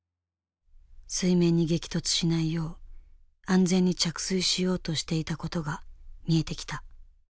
水面に激突しないよう安全に着水しようとしていたことが見えてきた。